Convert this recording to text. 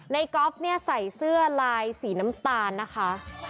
ก๊อฟเนี่ยใส่เสื้อลายสีน้ำตาลนะคะ